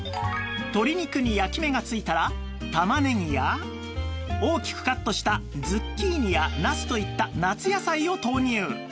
鶏肉に焼き目がついたら玉ねぎや大きくカットしたズッキーニやナスといった夏野菜を投入